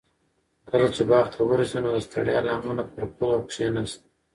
کله چې باغ ته ورسېد نو د ستړیا له امله پر پوله کېناست.